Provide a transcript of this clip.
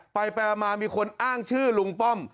ไปมามีคนอ้างชื่อลุงป้อม